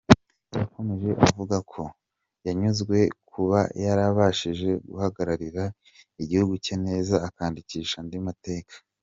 Yakomeje avuga ko yanyuzwe no kuba yarabashije guhagararira igihugu cye neza akanandikisha andi mateka.